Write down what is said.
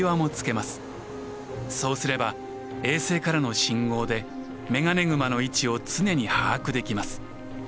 そうすれば衛星からの信号でメガネグマの位置を常に把握できます。